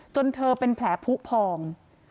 จนเธอเป็นแผลผู้พอง